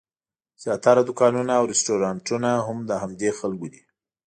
زیاتره دوکانونه او رسټورانټونه هم د همدې خلکو دي.